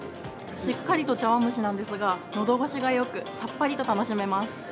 しっかりと茶わん蒸しなんですが、のど越しがよく、さっぱりと楽しめます。